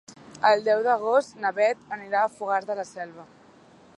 El deu d'agost na Beth anirà a Fogars de la Selva.